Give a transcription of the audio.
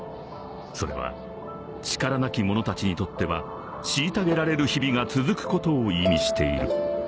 ［それは力なき者たちにとっては虐げられる日々が続くことを意味している］